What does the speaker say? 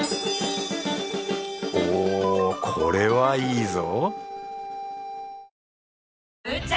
おおこれはいいぞ